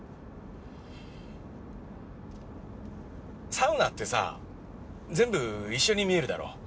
サウナってさ全部一緒に見えるだろ？